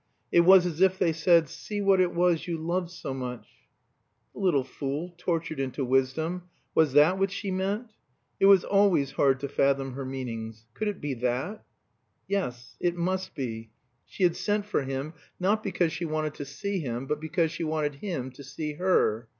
It was as if they said, "See what it was you loved so much." The little fool, tortured into wisdom, was that what she meant? It was always hard to fathom her meanings. Could it be that? Yes, it must be. She had sent for him, not because she wanted to see him, but because she wanted him to see her.